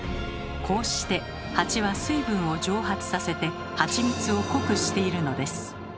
こうしてハチは水分を蒸発させてハチミツを濃くしているのです。